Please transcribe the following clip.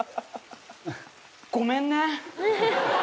ごめんね。